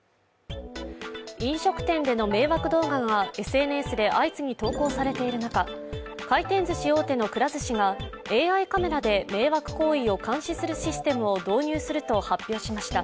飲食店での迷惑動画がＳＮＳで相次ぎ投稿されている中、回転ずし大手のくら寿司がＡＩカメラで迷惑行為を監視するシステムを導入すると発表しました。